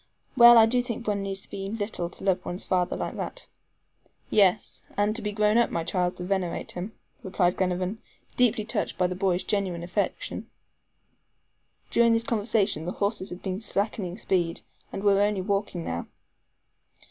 Well, I do think one needs to be little to love one's father like that." "Yes, and to be grown up, my child, to venerate him," replied Glenarvan, deeply touched by the boy's genuine affection. During this conversation the horses had been slackening speed, and were only walking now.